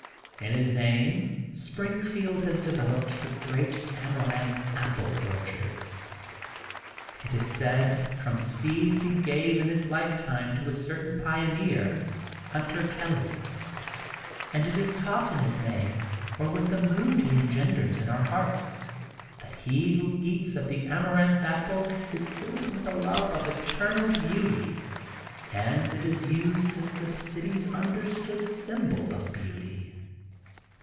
In his name Springfield has developed the great Amaranth Apple Orchards; it is said, from seeds he gave in his lifetime to a certain pioneer, Hunter Kelly. And it is taught in his name, or with the mood he engenders in our hearts, that he who eats of the Amaranth Apple is filled with a love of eternal beauty, and it is used as the City's understood symbol of beauty.